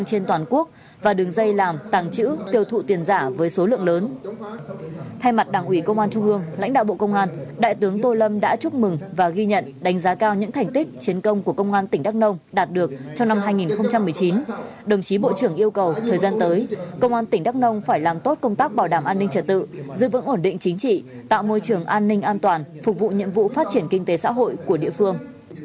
số lượng lớn thay mặt đảng ủy công an trung hương lãnh đạo bộ công an đại tướng tô lâm đã chúc mừng và ghi nhận đánh giá cao những thành tích chiến công của công an tỉnh đắk nông đạt được trong năm hai nghìn một mươi chín đồng chí bộ trưởng yêu cầu thời gian tới công an tỉnh đắk nông phải làm tốt công tác bảo đảm an ninh trả tự giữ vững ổn định chính trị tạo môi trường an ninh an toàn phục vụ nhiệm vụ phát triển kinh tế xã hội của địa phương